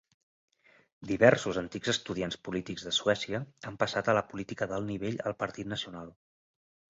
Diversos antics estudiants polítics de Suècia han passat a la política d'alt nivell al partit nacional.